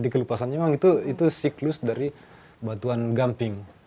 kelupasannya memang siklus dari batuan gamping